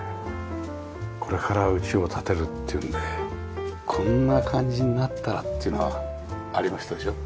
これから家を建てるっていうんでこんな感じになったらっていうのはありましたでしょ？